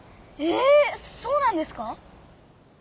えそうなんですか？